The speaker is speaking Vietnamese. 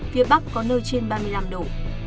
phía bắc có nơi trên ba mươi năm độ